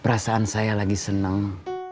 perasaan saya lagi seneng